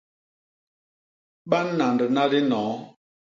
Ba nandna dinoo.